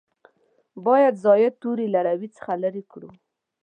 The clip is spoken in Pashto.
باید زاید توري له روي څخه لرې کړو.